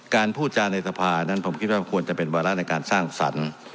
พูดจาในสภานั้นผมคิดว่าควรจะเป็นวาระในการสร้างสรรค์